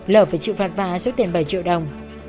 lỡ phải chịu phạt vã số tiền bảy triệu đồng